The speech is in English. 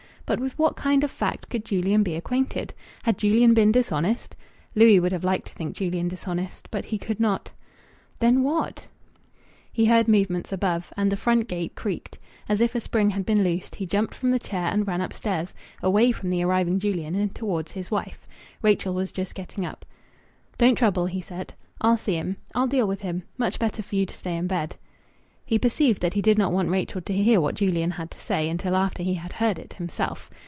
But with what kind of fact could Julian be acquainted?... Had Julian been dishonest? Louis would have liked to think Julian dishonest, but he could not. Then what ...? He heard movements above. And the front gate creaked. As if a spring had been loosed, he jumped from the chair and ran upstairs away from the arriving Julian and towards his wife. Rachel was just getting up. "Don't trouble," he said. "I'll see him. I'll deal with him. Much better for you to stay in bed." He perceived that he did not want Rachel to hear what Julian had to say until after he had heard it himself.